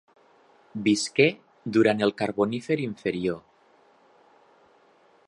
Visqué durant el Carbonífer inferior.